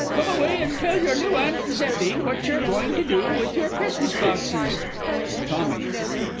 Come away, and tell your new Aunt Zeffie what you're going to do with your Christmas boxes. TOMMY.